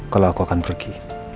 kalau aku akan pergi